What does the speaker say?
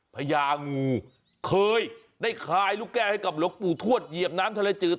พญางูเคยได้คลายลูกแก้วให้กับหลวงปู่ทวดเหยียบน้ำทะเลจืด